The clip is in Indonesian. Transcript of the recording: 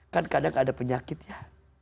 kan kadang ada penyakit ya